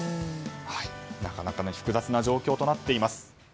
なかなか複雑な状況となっています。